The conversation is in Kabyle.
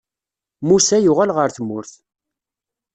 Musa yuɣal ɣer tmurt.